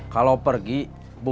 kalau pergi bunganya